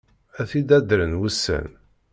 Ad t-id-addren wussan!